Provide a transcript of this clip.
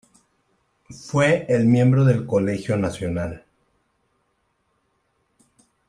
Fue miembro de El Colegio Nacional.